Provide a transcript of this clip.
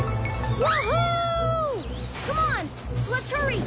うわ！